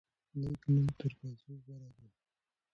نیک نوم تر پیسو غوره دی.